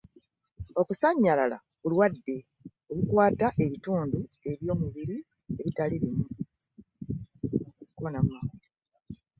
Okusannyalala bulwadde obukwata ebitundu by'omubiri ebitali bimu.